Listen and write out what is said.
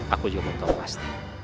aku juga tahu pasti